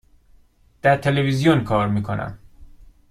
در تلویزیون کار می کنم.